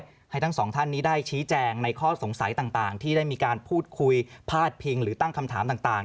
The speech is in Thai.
ให้ทั้งสองท่านนี้ได้ชี้แจงในข้อสงสัยต่างที่ได้มีการพูดคุยพาดพิงหรือตั้งคำถามต่าง